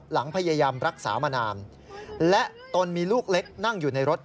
พยายามรักษามานานและตนมีลูกเล็กนั่งอยู่ในรถ